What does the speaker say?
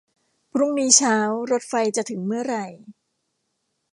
พรุ่งนี้เช้ารถไฟจะถึงเมื่อไหร่